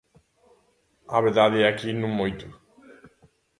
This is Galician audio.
A verdade é que non moito.